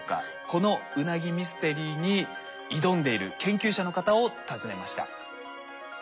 このウナギミステリーに挑んでいる研究者の方を訪ねました。